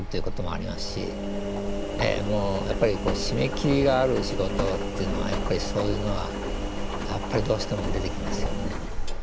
ええもうやっぱり締め切りがある仕事っていうのはやっぱりそういうのはやっぱりどうしても出てきますよね。